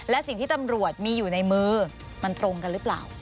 และสิ่งที่ตำรวจมีอยู่ในมือมันตรงกันหรือเปล่า